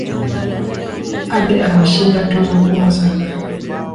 Ade ameshinda tuzo kubwa sana